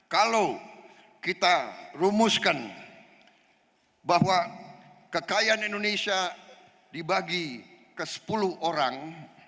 kalau kita rumuskan bahwa kekayaan indonesia dibagi ke sepuluh orang